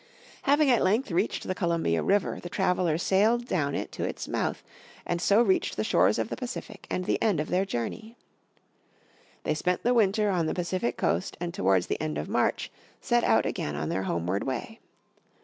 Having at length reached the Columbia River the travelers sailed down it to its mouth, and so reached the shores of the Pacific and the end of their journey. They spent the winter on the Pacific coast and towards the end of March set out again on their homeward way.